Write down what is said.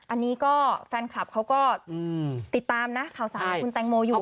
อันนี้ก็แฟนคลับเขาก็ติดตามนะข่าวสารของคุณแตงโมอยู่